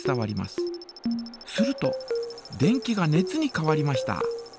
すると電気が熱に変わりました。